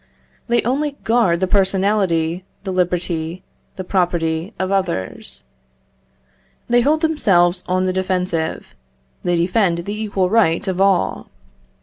They only guard the personality, the liberty, the property of others. They hold themselves on the defensive; they defend the equal right of all.